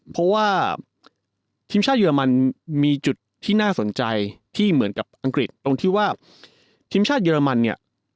เพราะว่าทีมชาติเยอรมันมีจุดที่น่าสนใจที่เหมือนกับอังกฤษตรงที่ว่าทีมชาติเยอรมันเนี่ย